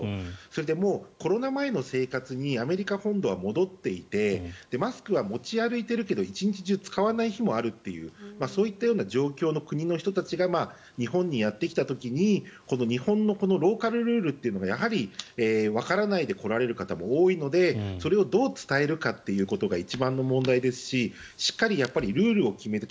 それで、コロナ前の生活にアメリカ本土は戻っていてマスクは持ち歩いているけど１日中使わない日もあるというそういったような状況の国の人たちが日本にやってきた時に日本のローカルルールというのがやはりわからないで来られる方も多いのでそれをどう伝えるかということが一番の問題ですししっかりルールを決める